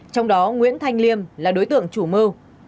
trong đó nguyễn thanh liêm là đối tượng chủ mưu